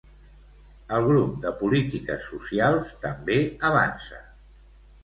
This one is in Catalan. El grup de polítiques socials també avança.